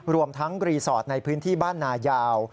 รวมทั้งรีสอร์ทในพื้นที่บ้านนายาว